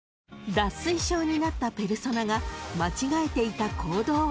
［脱水症になったペルソナが間違えていた行動は］